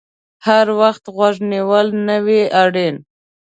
هر وخت غوږ نیول نه وي اړین